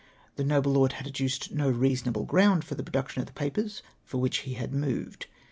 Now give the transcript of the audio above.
The noble lord had adduced no reason al)le grovmd for the production of tlie papers for which he had moved.